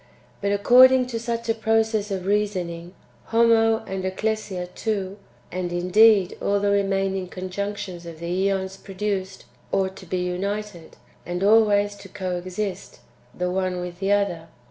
But, according to such a process of reasoning, Homo and Ecclesia too, and indeed all the remaining conjunctions of the ^ons produced, ought to be united, and always to co exist, the one with the other.